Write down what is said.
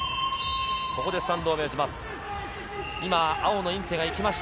ここでスタンドを命じます。